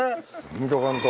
見とかんと。